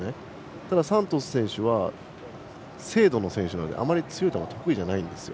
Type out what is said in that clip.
ただ、サントス選手は精度の選手なのであまり強い球が得意じゃないんですよ。